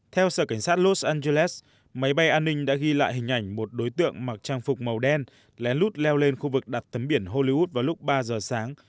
theo sở cảnh sát los angeles máy bay an ninh đã ghi lại hình ảnh một đối tượng mặc trang phục màu đen lén lút leo lên khu vực đặt tấm biển hollywood vào lúc ba giờ sáng